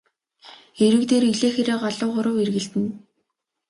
Эрэг дээр элээ хэрээ галуу гурав эргэлдэнэ.